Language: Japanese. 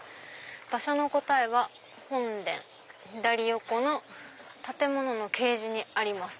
「場所の答えは本殿左横の建物の掲示にあります」。